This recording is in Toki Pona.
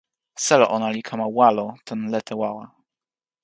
selo ona li kama walo tan lete wawa.